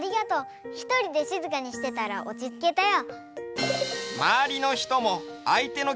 ひとりでしずかにしてたらおちつけたよ。